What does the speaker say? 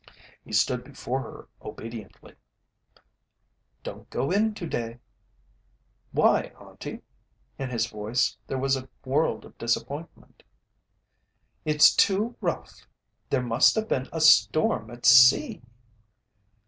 He stood before her obediently. "Don't go in to day." "Why, Auntie?" In his voice there was a world of disappointment. "It's too rough there must have been a storm at sea."